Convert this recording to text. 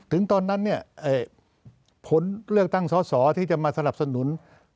ตอนนั้นเนี่ยผลเลือกตั้งสอสอที่จะมาสนับสนุน